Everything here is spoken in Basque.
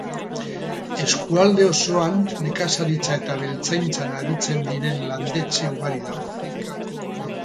Eskualde osoan nekazaritza eta abeltzaintzan aritzen diren landetxe ugari dago.